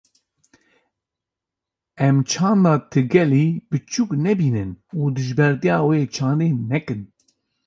Em çanda ti gelî piçûk nebînin û dijbertiya wê çandê nekin.